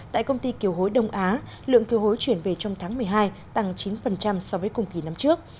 tại công ty kiều hối đông á lượng kiều hối chuyển về trong tháng một mươi hai tăng chín so với cùng kỳ năm trước